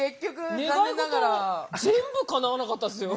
願い事全部かなわなかったですよ。